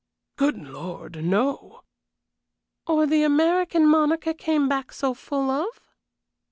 "Good Lord, no!" "Or the American Monica came back so full of?"